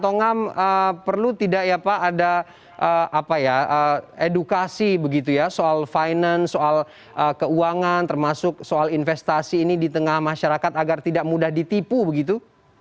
tongam perlu tidak ya pak ada edukasi begitu ya soal finance soal keuangan termasuk soal investasi ini di tengah masyarakat agar tidak mudah ditipu begitu